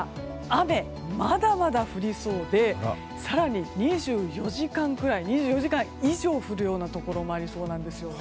雨、まだまだ降りそうで更に２４時間以上降るようなところもありそうなんですよ。